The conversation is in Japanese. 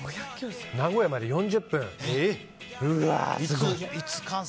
名古屋まで４０分。